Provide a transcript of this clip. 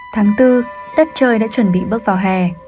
tháng bốn tết chơi đã chuẩn bị bước vào hè